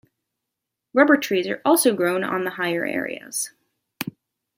Rubber trees are also grown on the higher areas.